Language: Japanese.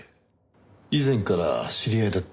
以前から知り合いだった？